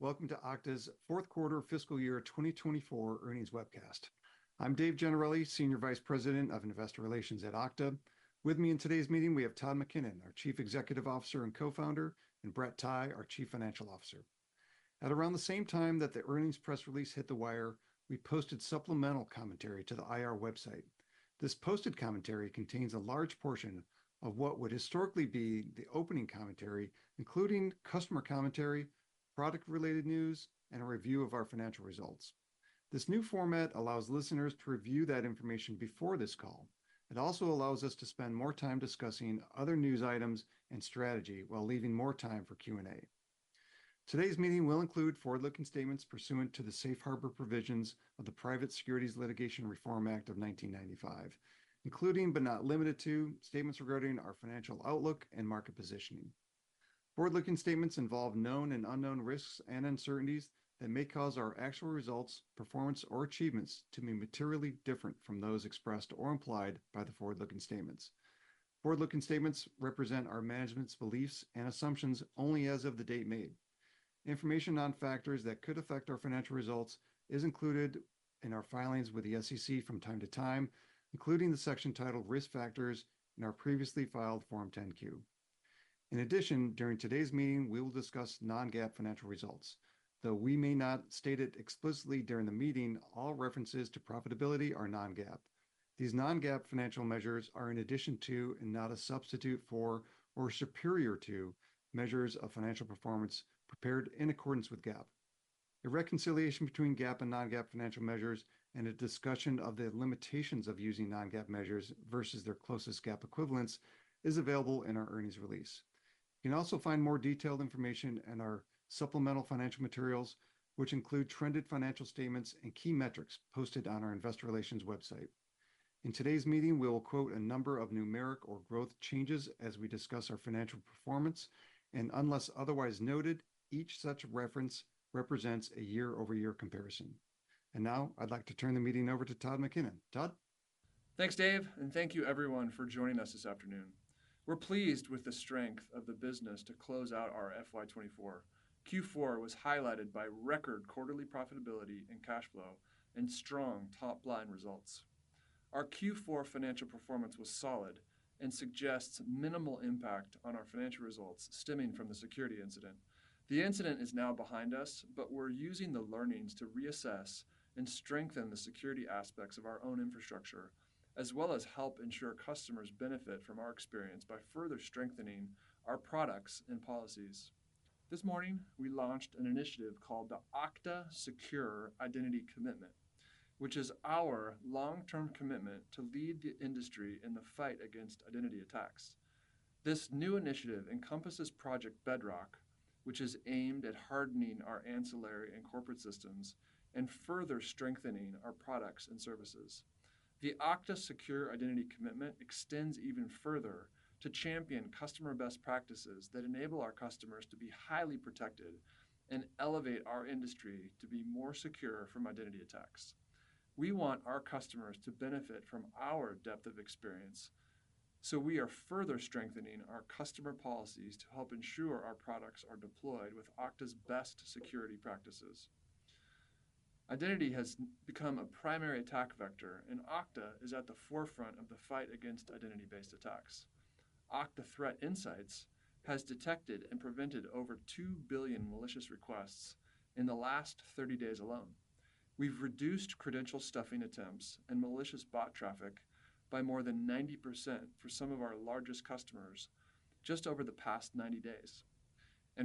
Welcome to Okta's fourth quarter Fiscal Year 2024 earnings webcast. I'm Dave Gennarelli, Senior Vice President of Investor Relations at Okta. With me in today's meeting, we have Todd McKinnon, our Chief Executive Officer and co-founder, and Brett Tighe, our Chief Financial Officer. At around the same time that the earnings press release hit the wire, we posted supplemental commentary to the IR website. This posted commentary contains a large portion of what would historically be the opening commentary, including customer commentary, product-related news, and a review of our financial results. This new format allows listeners to review that information before this call. It also allows us to spend more time discussing other news items and strategy while leaving more time for Q&A. Today's meeting will include forward-looking statements pursuant to the Safe Harbor Provisions of the Private Securities Litigation Reform Act of 1995, including but not limited to, statements regarding our financial outlook and market positioning. Forward-looking statements involve known and unknown risks and uncertainties that may cause our actual results, performance, or achievements to be materially different from those expressed or implied by the forward-looking statements. Forward-looking statements represent our management's beliefs and assumptions only as of the date made. Information on factors that could affect our financial results is included in our filings with the SEC from time to time, including the section titled Risk Factors in our previously filed Form 10-Q. In addition, during today's meeting, we will discuss non-GAAP financial results. Though we may not state it explicitly during the meeting, all references to profitability are non-GAAP. These non-GAAP financial measures are in addition to, and not a substitute for or superior to, measures of financial performance prepared in accordance with GAAP. A reconciliation between GAAP and non-GAAP financial measures and a discussion of the limitations of using non-GAAP measures versus their closest GAAP equivalents is available in our earnings release. You can also find more detailed information in our supplemental financial materials, which include trended financial statements and key metrics posted on our investor relations website. In today's meeting, we will quote a number of numeric or growth changes as we discuss our financial performance, and unless otherwise noted, each such reference represents a year-over-year comparison. Now, I'd like to turn the meeting over to Todd McKinnon. Todd? Thanks, Dave, and thank you everyone for joining us this afternoon. We're pleased with the strength of the business to close out our FY 2024. Q4 was highlighted by record quarterly profitability and cash flow and strong top-line results. Our Q4 financial performance was solid and suggests minimal impact on our financial results stemming from the security incident. The incident is now behind us, but we're using the learnings to reassess and strengthen the security aspects of our own infrastructure, as well as help ensure customers benefit from our experience by further strengthening our products and policies. This morning, we launched an initiative called the Okta Secure Identity Commitment, which is our long-term commitment to lead the industry in the fight against identity attacks. This new initiative encompasses Project Bedrock, which is aimed at hardening our ancillary and corporate systems and further strengthening our products and services. The Okta Secure Identity Commitment extends even further to champion customer best practices that enable our customers to be highly protected and elevate our industry to be more secure from identity attacks. We want our customers to benefit from our depth of experience, so we are further strengthening our customer policies to help ensure our products are deployed with Okta's best security practices. Identity has become a primary attack vector, and Okta is at the forefront of the fight against identity-based attacks. Okta Threat Insights has detected and prevented over 2 billion malicious requests in the last 30 days alone. We've reduced credential stuffing attempts and malicious bot traffic by more than 90% for some of our largest customers just over the past 90 days.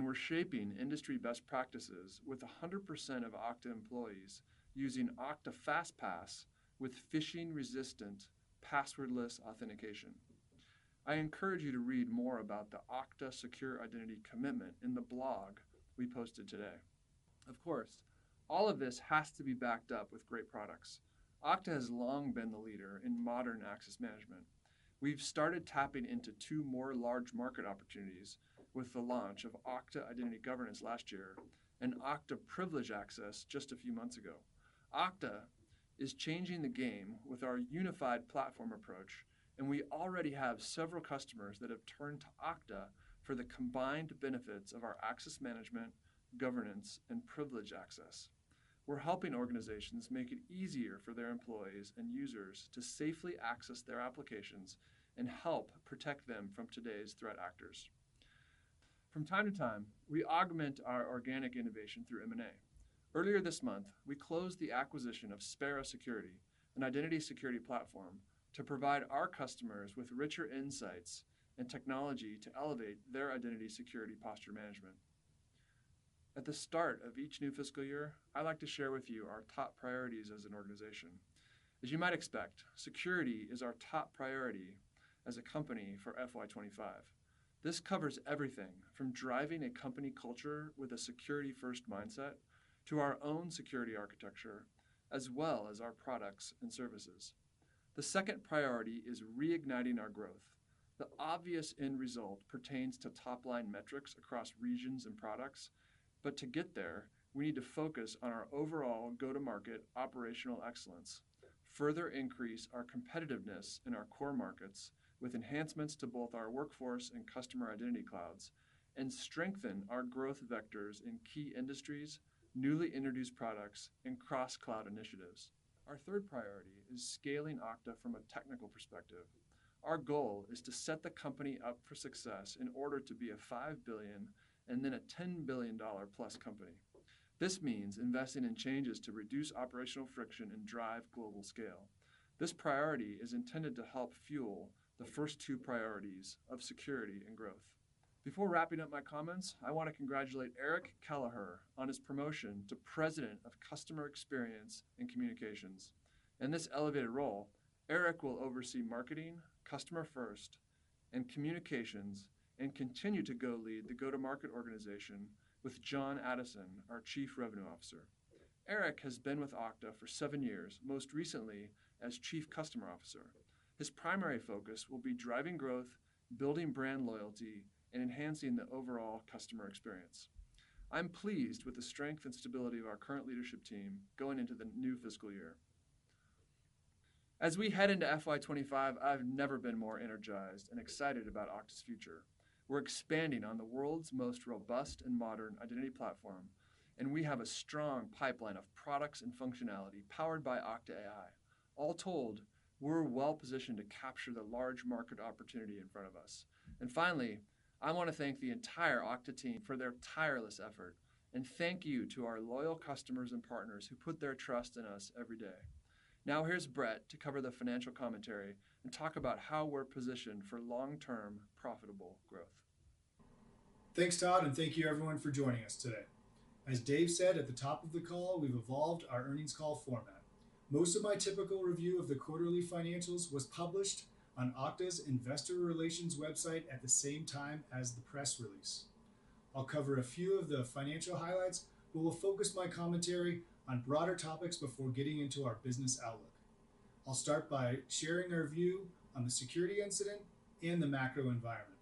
We're shaping industry best practices with 100% of Okta employees using Okta FastPass with phishing-resistant, passwordless authentication. I encourage you to read more about the Okta Secure Identity Commitment in the blog we posted today. Of course, all of this has to be backed up with great products. Okta has long been the leader in modern access management. We've started tapping into two more large market opportunities with the launch of Okta Identity Governance last year and Okta Privileged Access just a few months ago. Okta is changing the game with our unified platform approach, and we already have several customers that have turned to Okta for the combined benefits of our access management, governance, and privileged access. We're helping organizations make it easier for their employees and users to safely access their applications and help protect them from today's threat actors. From time to time, we augment our organic innovation through M&A. Earlier this month, we closed the acquisition of Spera Security, an identity security platform, to provide our customers with richer insights and technology to elevate their Identity Security Posture Management. At the start of each new fiscal year, I like to share with you our top priorities as an organization. As you might expect, security is our top priority as a company for FY 2025. This covers everything from driving a company culture with a security-first mindset to our own security architecture, as well as our products and services. The second priority is reigniting our growth. The obvious end result pertains to top-line metrics across regions and products, but to get there, we need to focus on our overall go-to-market operational excellence, further increase our competitiveness in our core markets with enhancements to both our workforce and customer identity clouds, and strengthen our growth vectors in key industries, newly introduced products, and cross-cloud initiatives. Our third priority is scaling Okta from a technical perspective. Our goal is to set the company up for success in order to be a $5 billion and then a $10 billion dollar-plus company. This means investing in changes to reduce operational friction and drive global scale. This priority is intended to help fuel the first two priorities of security and growth. Before wrapping up my comments, I want to congratulate Eric Kelleher on his promotion to President of Customer Experience and Communications. In this elevated role, Eric will oversee marketing, customer first, and communications, and continue to lead the go-to-market organization with Jon Addison, our Chief Revenue Officer. Eric has been with Okta for seven years, most recently as Chief Customer Officer. His primary focus will be driving growth, building brand loyalty, and enhancing the overall customer experience. I'm pleased with the strength and stability of our current leadership team going into the new fiscal year. As we head into FY 2025, I've never been more energized and excited about Okta's future. We're expanding on the world's most robust and modern identity platform, and we have a strong pipeline of products and functionality powered by Okta AI. All told, we're well-positioned to capture the large market opportunity in front of us. Finally, I want to thank the entire Okta team for their tireless effort, and thank you to our loyal customers and partners who put their trust in us every day. Now, here's Brett to cover the financial commentary and talk about how we're positioned for long-term, profitable growth. Thanks, Todd, and thank you everyone for joining us today. As Dave said at the top of the call, we've evolved our earnings call format. Most of my typical review of the quarterly financials was published on Okta's investor relations website at the same time as the press release. I'll cover a few of the financial highlights, but will focus my commentary on broader topics before getting into our business outlook. I'll start by sharing our view on the security incident and the macro environment.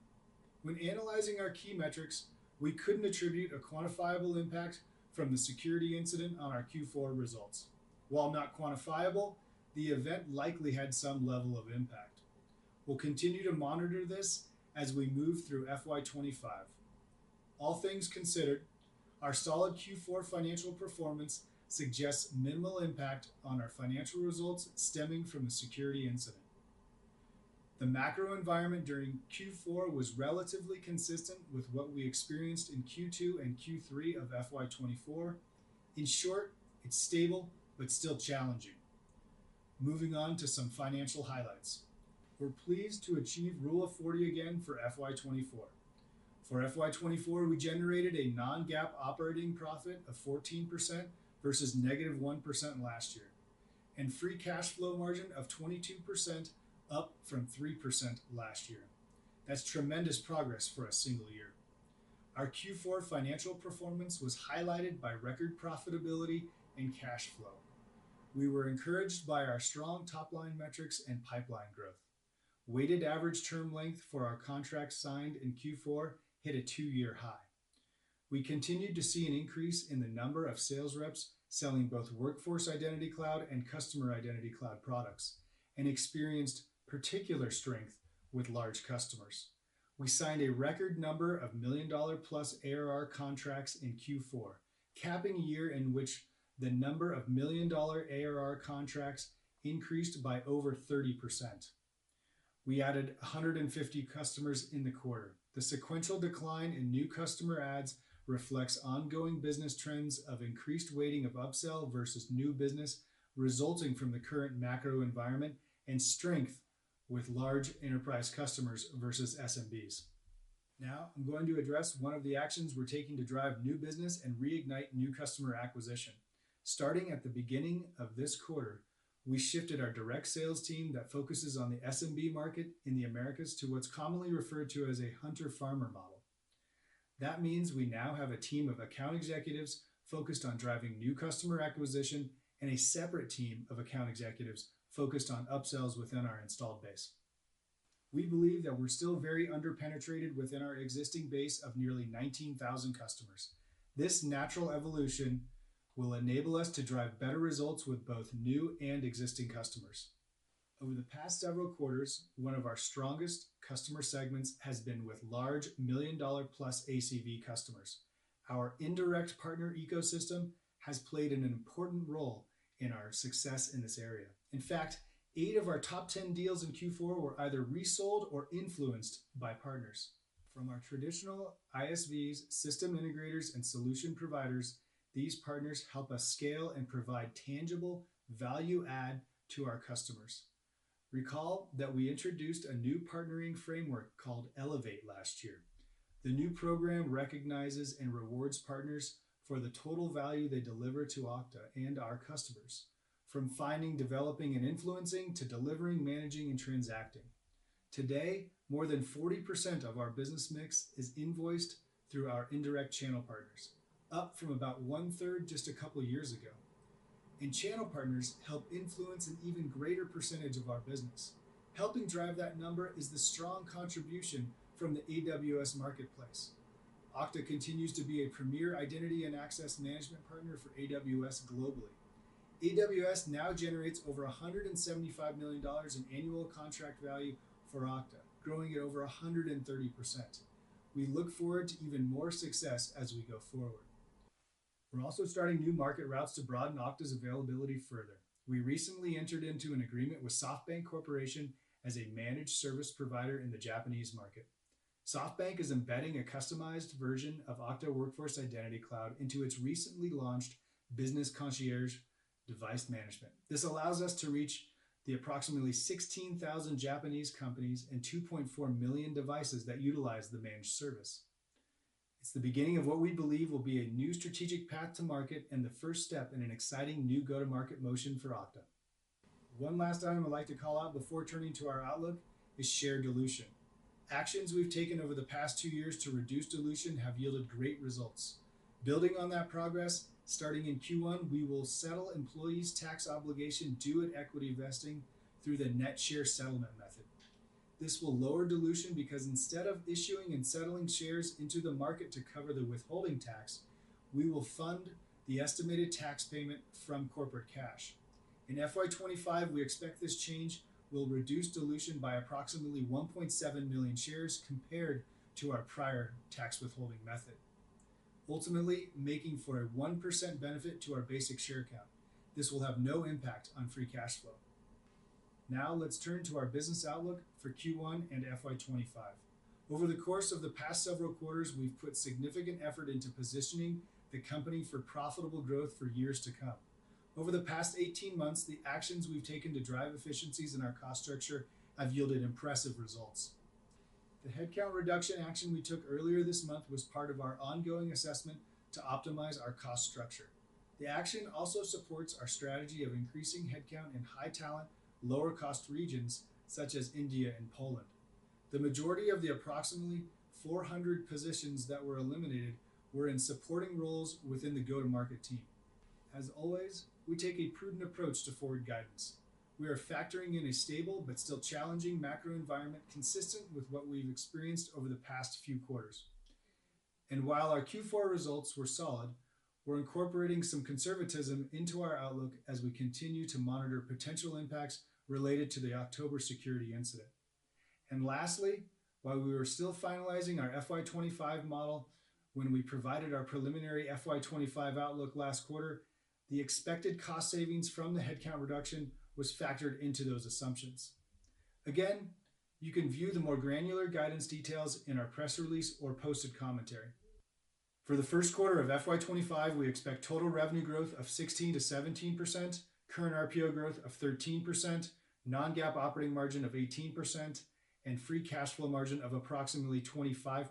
When analyzing our key metrics, we couldn't attribute a quantifiable impact from the security incident on our Q4 results. While not quantifiable, the event likely had some level of impact. We'll continue to monitor this as we move through FY 25. All things considered, our solid Q4 financial performance suggests minimal impact on our financial results stemming from the security incident. The macro environment during Q4 was relatively consistent with what we experienced in Q2 and Q3 of FY 2024. In short, it's stable but still challenging. Moving on to some financial highlights. We're pleased to achieve Rule of 40 again for FY 2024. For FY 2024, we generated a non-GAAP operating profit of 14% versus -1% last year, and free cash flow margin of 22%, up from 3% last year. That's tremendous progress for a single year. Our Q4 financial performance was highlighted by record profitability and cash flow. We were encouraged by our strong top-line metrics and pipeline growth. Weighted average term length for our contracts signed in Q4 hit a 2-year high. We continued to see an increase in the number of sales reps selling both Workforce Identity Cloud and Customer Identity Cloud products, and experienced particular strength with large customers. We signed a record number of million-dollar-plus ARR contracts in Q4, capping a year in which the number of million-dollar ARR contracts increased by over 30%. We added 150 customers in the quarter. The sequential decline in new customer adds reflects ongoing business trends of increased weighting of upsell versus new business, resulting from the current macro environment and strength with large enterprise customers versus SMBs. Now, I'm going to address one of the actions we're taking to drive new business and reignite new customer acquisition. Starting at the beginning of this quarter, we shifted our direct sales team that focuses on the SMB market in the Americas to what's commonly referred to as a hunter/farmer model. That means we now have a team of account executives focused on driving new customer acquisition and a separate team of account executives focused on upsells within our installed base. We believe that we're still very under-penetrated within our existing base of nearly 19,000 customers. This natural evolution will enable us to drive better results with both new and existing customers. Over the past several quarters, one of our strongest customer segments has been with large $1 million+ ACV customers. Our indirect partner ecosystem has played an important role in our success in this area. In fact, 8 of our top 10 deals in Q4 were either resold or influenced by partners. From our traditional ISVs, system integrators, and solution providers, these partners help us scale and provide tangible value add to our customers. Recall that we introduced a new partnering framework called Elevate last year. The new program recognizes and rewards partners for the total value they deliver to Okta and our customers, from finding, developing, and influencing, to delivering, managing, and transacting... Today, more than 40% of our business mix is invoiced through our indirect channel partners, up from about one-third just a couple of years ago. Channel partners help influence an even greater percentage of our business. Helping drive that number is the strong contribution from the AWS Marketplace. Okta continues to be a premier identity and access management partner for AWS globally. AWS now generates over $175 million in annual contract value for Okta, growing at over 130%. We look forward to even more success as we go forward. We're also starting new market routes to broaden Okta's availability further. We recently entered into an agreement with SoftBank Corporation as a managed service provider in the Japanese market. SoftBank is embedding a customized version of Okta Workforce Identity Cloud into its recently launched Business Concierge Device Management. This allows us to reach the approximately 16,000 Japanese companies and 2.4 million devices that utilize the managed service. It's the beginning of what we believe will be a new strategic path to market and the first step in an exciting new go-to-market motion for Okta. One last item I'd like to call out before turning to our outlook is share dilution. Actions we've taken over the past two years to reduce dilution have yielded great results. Building on that progress, starting in Q1, we will settle employees' tax obligation due at equity vesting through the net share settlement method. This will lower dilution because instead of issuing and settling shares into the market to cover the withholding tax, we will fund the estimated tax payment from corporate cash. In FY 2025, we expect this change will reduce dilution by approximately 1.7 million shares compared to our prior tax withholding method, ultimately making for a 1% benefit to our basic share count. This will have no impact on free cash flow. Now, let's turn to our business outlook for Q1 and FY 2025. Over the course of the past several quarters, we've put significant effort into positioning the company for profitable growth for years to come. Over the past 18 months, the actions we've taken to drive efficiencies in our cost structure have yielded impressive results. The headcount reduction action we took earlier this month was part of our ongoing assessment to optimize our cost structure. The action also supports our strategy of increasing headcount in high-talent, lower-cost regions such as India and Poland. The majority of the approximately 400 positions that were eliminated were in supporting roles within the go-to-market team. As always, we take a prudent approach to forward guidance. We are factoring in a stable but still challenging macro environment consistent with what we've experienced over the past few quarters. And while our Q4 results were solid, we're incorporating some conservatism into our outlook as we continue to monitor potential impacts related to the October security incident. And lastly, while we were still finalizing our FY 2025 model when we provided our preliminary FY 2025 outlook last quarter, the expected cost savings from the headcount reduction was factored into those assumptions. Again, you can view the more granular guidance details in our press release or posted commentary. For the first quarter of FY 2025, we expect total revenue growth of 16%-17%, current RPO growth of 13%, non-GAAP operating margin of 18%, and free cash flow margin of approximately 25%,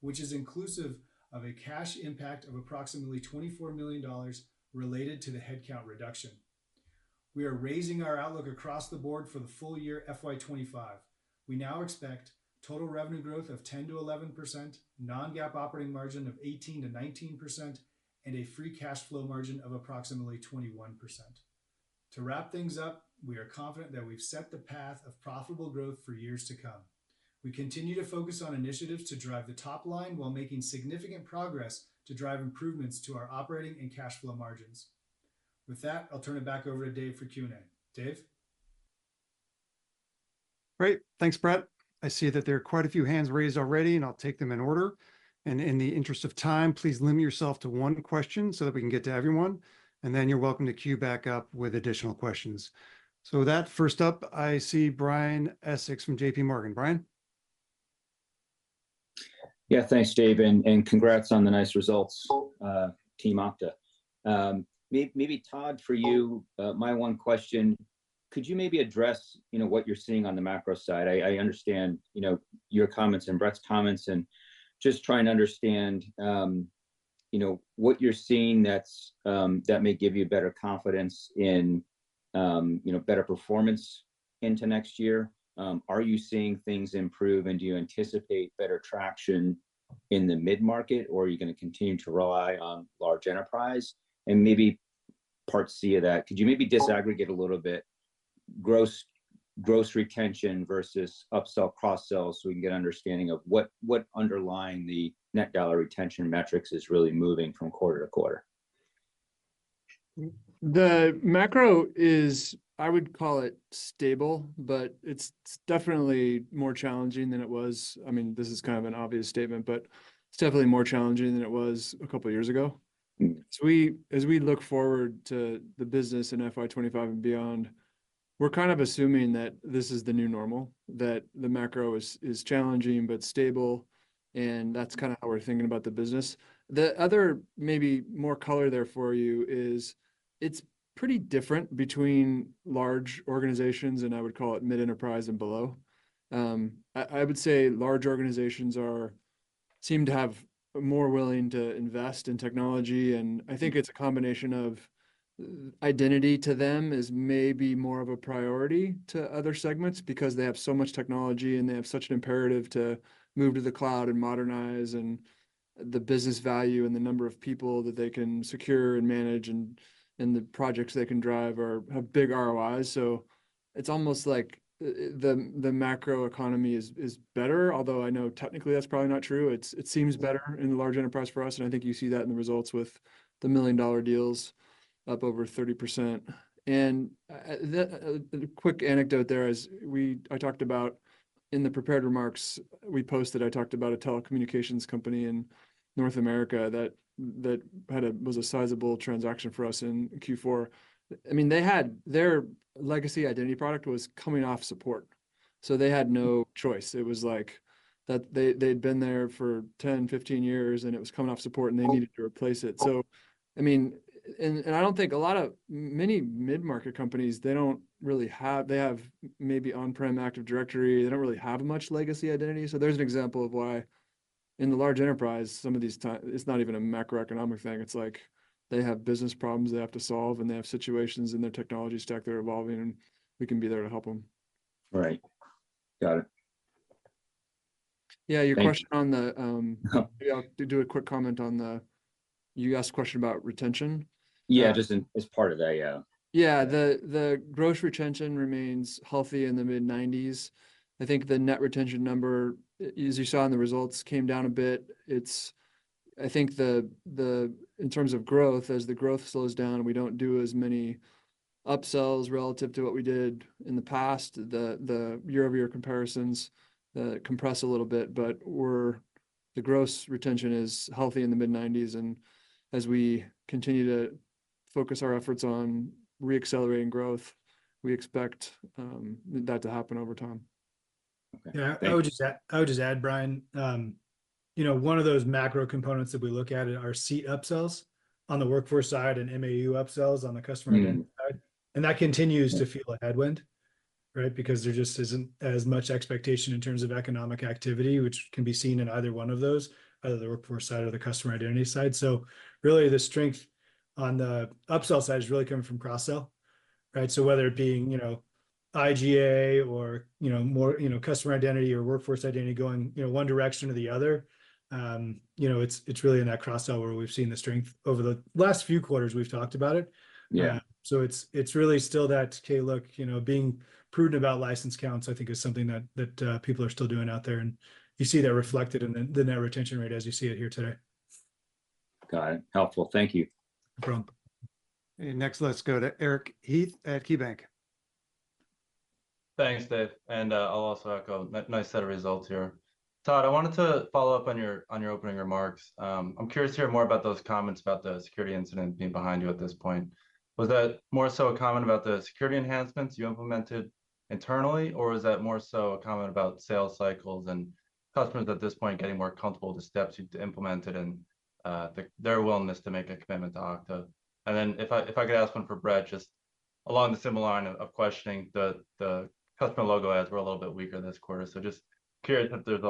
which is inclusive of a cash impact of approximately $24 million related to the headcount reduction. We are raising our outlook across the board for the full year FY 2025. We now expect total revenue growth of 10%-11%, non-GAAP operating margin of 18%-19%, and a free cash flow margin of approximately 21%. To wrap things up, we are confident that we've set the path of profitable growth for years to come. We continue to focus on initiatives to drive the top line while making significant progress to drive improvements to our operating and cash flow margins. With that, I'll turn it back over to Dave for Q&A. Dave? Great. Thanks, Brett. I see that there are quite a few hands raised already, and I'll take them in order. And in the interest of time, please limit yourself to one question so that we can get to everyone, and then you're welcome to queue back up with additional questions. So with that, first up, I see Brian Essex from JP Morgan. Brian? Yeah, thanks, Dave, and congrats on the nice results, Team Okta. Maybe Todd, for you, my one question, could you maybe address, you know, what you're seeing on the macro side? I understand, you know, your comments and Brett's comments and just trying to understand, you know, what you're seeing that's that may give you better confidence in, you know, better performance into next year. Are you seeing things improve, and do you anticipate better traction in the mid-market, or are you gonna continue to rely on large enterprise? And maybe part C of that, could you maybe disaggregate a little bit gross retention versus upsell, cross-sell, so we can get an understanding of what underlying the net dollar retention metrics is really moving from quarter to quarter? The macro is, I would call it, stable, but it's definitely more challenging than it was. I mean, this is kind of an obvious statement, but it's definitely more challenging than it was a couple of years ago. Mm-hmm. So as we look forward to the business in FY 2025 and beyond, we're kind of assuming that this is the new normal, that the macro is challenging but stable, and that's kinda how we're thinking about the business. The other maybe more color there for you is it's pretty different between large organizations, and I would call it mid-enterprise and below.... I would say large organizations seem more willing to invest in technology, and I think it's a combination of identity to them is maybe more of a priority to other segments because they have so much technology, and they have such an imperative to move to the cloud and modernize, and the business value and the number of people that they can secure and manage and the projects they can drive have big ROIs. So it's almost like the macroeconomy is better, although I know technically that's probably not true. It seems better in the large enterprise for us, and I think you see that in the results with the million-dollar deals up over 30%. The quick anecdote there is, we—I talked about in the prepared remarks we posted. I talked about a telecommunications company in North America that had a sizable transaction for us in Q4. I mean, they had... Their legacy identity product was coming off support, so they had no choice. It was like that they, they'd been there for 10, 15 years, and it was coming off support, and they needed to replace it. So, I mean, and I don't think many mid-market companies, they don't really have—they have maybe on-prem Active Directory. They don't really have much legacy identity. There's an example of why in the large enterprise, some of these, it's not even a macroeconomic thing, it's like they have business problems they have to solve, and they have situations in their technology stack that are evolving, and we can be there to help them. Right. Got it. Yeah, your question- Thank you. On the, Uh-huh... yeah, to do a quick comment on the, you asked a question about retention? Yeah, just in, as part of that. Yeah. Yeah, the gross retention remains healthy in the mid-90s. I think the net retention number, as you saw in the results, came down a bit. It's, I think, in terms of growth, as the growth slows down and we don't do as many upsells relative to what we did in the past, the year-over-year comparisons compress a little bit. But we're, the gross retention is healthy in the mid-90s, and as we continue to focus our efforts on re-accelerating growth, we expect that to happen over time. Okay, thank you. Yeah, I would just add, I would just add, Brian, you know, one of those macro components that we look at are seat upsells on the workforce side and MAU upsells on the customer identity side And that continues to feel a headwind, right? Because there just isn't as much expectation in terms of economic activity, which can be seen in either one of those, either the workforce side or the customer identity side. So really, the strength on the upsell side is really coming from cross-sell, right? So whether it being, you know, IGA or, you know, more, you know, customer identity or workforce identity going, you know, one direction or the other, you know, it's, it's really in that cross-sell where we've seen the strength. Over the last few quarters, we've talked about it. Yeah. So it's really still that. Okay, look, you know, being prudent about license counts, I think, is something that people are still doing out there, and you see that reflected in the net retention rate as you see it here today. Got it. Helpful. Thank you. No problem. Next, let's go to Eric Heath at KeyBanc. Thanks, Dave, and I'll also echo. Nice set of results here. Todd, I wanted to follow up on your opening remarks. I'm curious to hear more about those comments about the security incident being behind you at this point. Was that more so a comment about the security enhancements you implemented internally, or is that more so a comment about sales cycles and customers at this point getting more comfortable with the steps you've implemented and their willingness to make a commitment to Okta? And then if I could ask one for Brett, just along the similar line of questioning, the customer logo adds were a little bit weaker this quarter, so just curious if there's,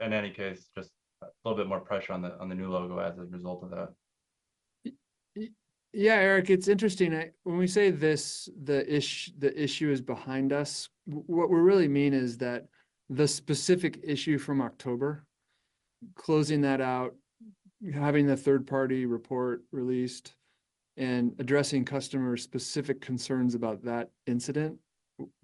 in any case, just a little bit more pressure on the new logo as a result of that. Yeah, Eric, it's interesting. When we say this, the issue is behind us, what we really mean is that the specific issue from October, closing that out, having the third-party report released, and addressing customer-specific concerns about that incident,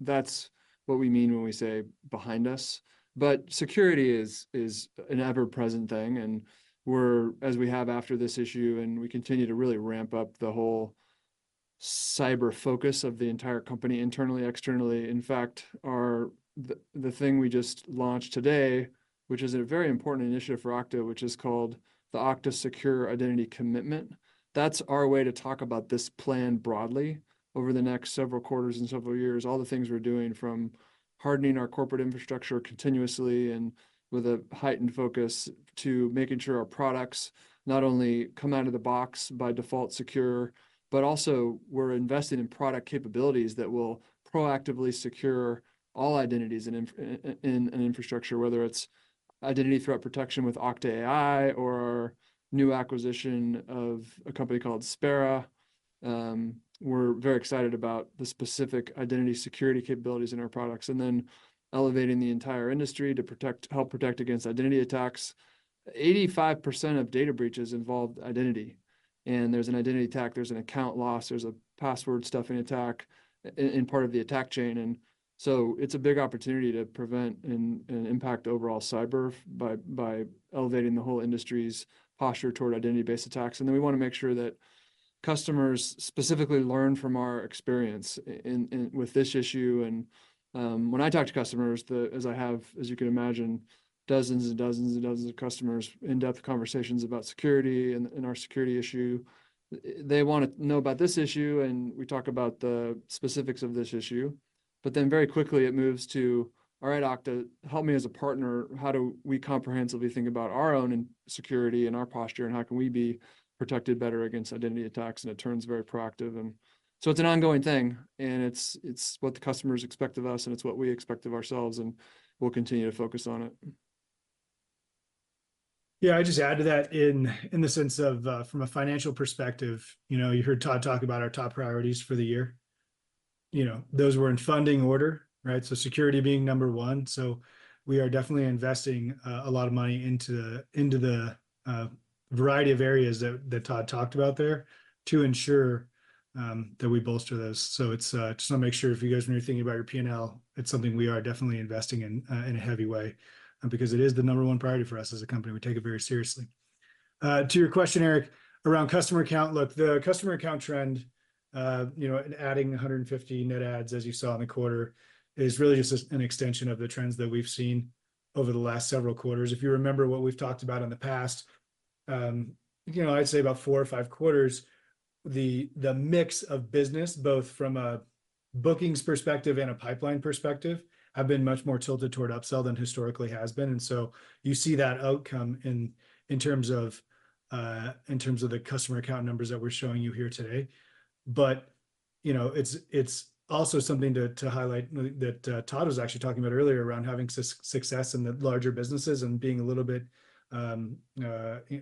that's what we mean when we say behind us. But security is an ever-present thing, and we're, as we have after this issue, and we continue to really ramp up the whole cyber focus of the entire company internally, externally. In fact, the thing we just launched today, which is a very important initiative for Okta, which is called the Okta Secure Identity Commitment, that's our way to talk about this plan broadly over the next several quarters and several years. All the things we're doing, from hardening our corporate infrastructure continuously and with a heightened focus, to making sure our products not only come out of the box by default, secure, but also we're invested in product capabilities that will proactively secure all identities in infrastructure, whether it's Identity Threat Protection with Okta AI or our new acquisition of a company called Spera. We're very excited about the specific identity security capabilities in our products, and then elevating the entire industry to protect, help protect against identity attacks. 85% of data breaches involved identity, and there's an identity attack, there's an account loss, there's a password stuffing attack in part of the attack chain, and so it's a big opportunity to prevent and impact overall cyber by elevating the whole industry's posture toward identity-based attacks. We want to make sure that customers specifically learn from our experience with this issue. When I talk to customers, as I have, as you can imagine, dozens and dozens and dozens of customers, in-depth conversations about security and our security issue, they want to know about this issue, and we talk about the specifics of this issue. But then very quickly, it moves to, "All right, Okta, help me as a partner, how do we comprehensively think about our own security and our posture, and how can we be protected better against identity attacks?" It turns very proactive, and so it's an ongoing thing, and it's what the customers expect of us, and it's what we expect of ourselves, and we'll continue to focus on it.... Yeah, I'll just add to that in the sense of, from a financial perspective. You know, you heard Todd talk about our top priorities for the year. You know, those were in funding order, right? So security being number one. So we are definitely investing a lot of money into the variety of areas that Todd talked about there, to ensure that we bolster those. So it's just to make sure if you guys when you're thinking about your P&L, it's something we are definitely investing in a heavy way, because it is the number one priority for us as a company. We take it very seriously. To your question, Eric, around customer count, look, the customer account trend, you know, adding 150 net adds, as you saw in the quarter, is really just an extension of the trends that we've seen over the last several quarters. If you remember what we've talked about in the past, you know, I'd say about four or five quarters, the mix of business, both from a bookings perspective and a pipeline perspective, have been much more tilted toward upsell than historically has been. And so you see that outcome in terms of the customer account numbers that we're showing you here today. But, you know, it's also something to highlight that Todd was actually talking about earlier around having success in the larger businesses and being a little bit a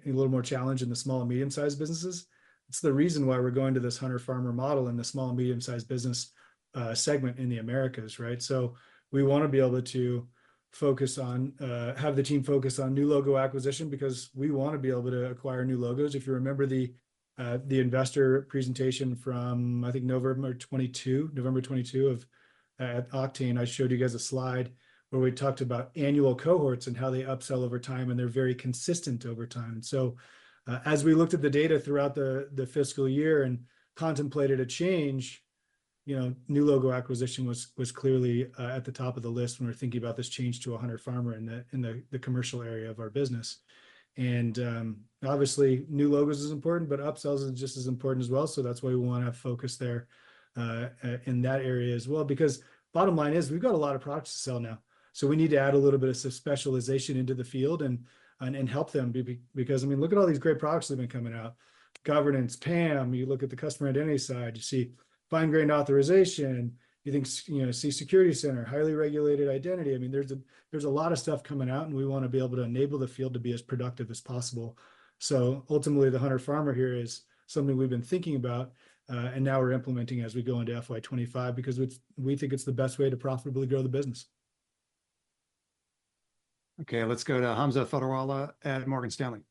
little more challenged in the small and medium-sized businesses. It's the reason why we're going to this hunter-farmer model in the small and medium-sized business segment in the Americas, right? So we wanna be able to have the team focus on new logo acquisition because we wanna be able to acquire new logos. If you remember the investor presentation from, I think, November 2022, November 22 of Okta, and I showed you guys a slide where we talked about annual cohorts and how they upsell over time, and they're very consistent over time. So, as we looked at the data throughout the fiscal year and contemplated a change, you know, new logo acquisition was clearly at the top of the list when we were thinking about this change to a hunter-farmer in the commercial area of our business. And, obviously, new logos is important, but upsells is just as important as well, so that's why we wanna focus there in that area as well. Because bottom line is, we've got a lot of products to sell now, so we need to add a little bit of specialization into the field and help them because, I mean, look at all these great products that have been coming out. Governance, PAM, you look at the customer identity side, you see fine-grained authorization. You think, you know, see Security Center, highly regulated identity. I mean, there's a lot of stuff coming out, and we wanna be able to enable the field to be as productive as possible. So ultimately, the hunter-farmer here is something we've been thinking about, and now we're implementing as we go into FY 2025, because we think it's the best way to profitably grow the business. Okay, let's go toHamza Fodderwala at Morgan Stanley.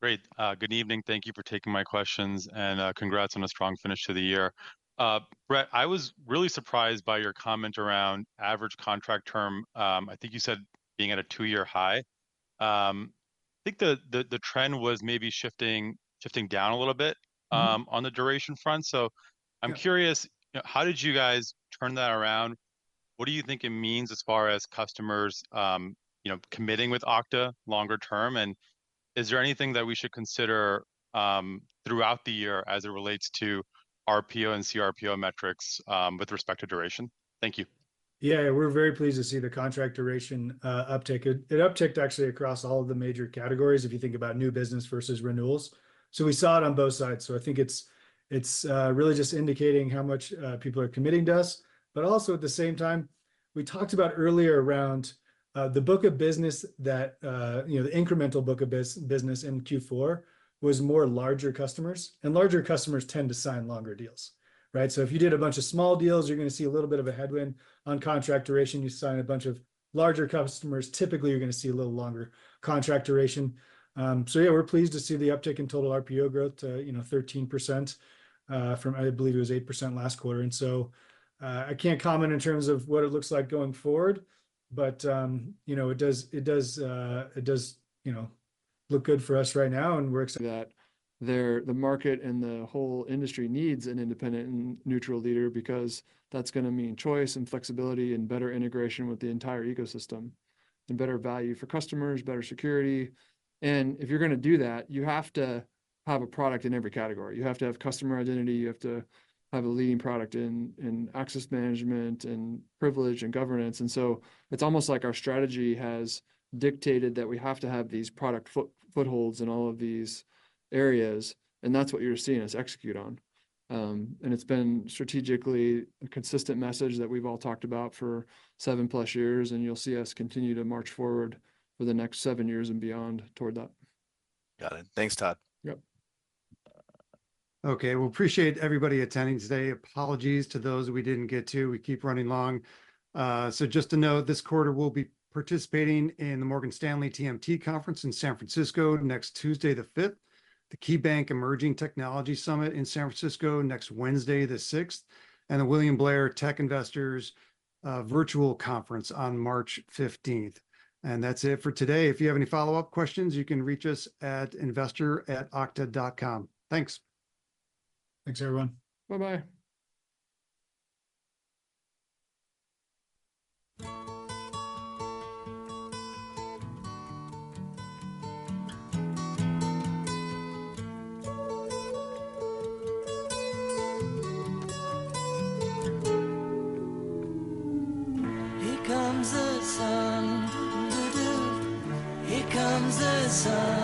Great. Good evening. Thank you for taking my questions, and congrats on a strong finish to the year. Brett, I was really surprised by your comment around average contract term. I think you said being at a two-year high. I think the trend was maybe shifting down a little bit. Mm... on the duration front. So- Yeah... I'm curious, you know, how did you guys turn that around? What do you think it means as far as customers, you know, committing with Okta longer term? And is there anything that we should consider, throughout the year as it relates to RPO and CRPO metrics, with respect to duration? Thank you. Yeah, we're very pleased to see the contract duration uptick. It upticked actually across all of the major categories, if you think about new business versus renewals. So we saw it on both sides. So I think it's really just indicating how much people are committing to us. But also at the same time, we talked about earlier around the book of business that you know, the incremental book of business in Q4 was more larger customers, and larger customers tend to sign longer deals, right? So if you did a bunch of small deals, you're gonna see a little bit of a headwind on contract duration. You sign a bunch of larger customers, typically, you're gonna see a little longer contract duration. So yeah, we're pleased to see the uptick in total RPO growth to, you know, 13%, from, I believe it was 8% last quarter. And so, I can't comment in terms of what it looks like going forward, but, you know, it does, it does, it does, you know, look good for us right now, and we're excited that the market and the whole industry needs an independent and neutral leader, because that's gonna mean choice and flexibility and better integration with the entire ecosystem, and better value for customers, better security. And if you're gonna do that, you have to have a product in every category. You have to have customer identity, you have to have a leading product in access management, and privilege, and governance. So it's almost like our strategy has dictated that we have to have these product footholds in all of these areas, and that's what you're seeing us execute on. It's been strategically a consistent message that we've all talked about for 7+ years, and you'll see us continue to march forward for the next seven years and beyond toward that. Got it. Thanks, Todd. Yep. Okay, well, appreciate everybody attending today. Apologies to those we didn't get to. We keep running long. So just to note, this quarter we'll be participating in the Morgan Stanley TMT Conference in San Francisco next Tuesday, the 5th, the KeyBanc Emerging Technology Summit in San Francisco next Wednesday, the 6th, and the William Blair Tech Investors Virtual Conference on March 15th. That's it for today. If you have any follow-up questions, you can reach us at investor@okta.com. Thanks. Thanks, everyone. Bye-bye. Here comes the sun, doo doo doo. Here comes the sun, and I say, it's all right.... It's been a long, cold, lonely winter. Little darling, it feels like years since it's been here. Here comes the sun. Here comes the sun, and I say, it's all right. Little darling, the smiles returning to the faces. Little darling, it seems like years since it's been here. Here comes the sun. Here comes the sun, and I say, it's all right. Sun, sun, sun, here it comes. Sun, sun, sun, here it comes. Sun, sun, sun, here it comes. Sun, sun, sun, here it comes. Sun, sun, sun, here it comes. Little darling, I feel that ice is slowly melting. Little darling, it seems like years since it's been clear. Here comes the sun. Here comes the sun, and I say, it's all right. Here comes the sun.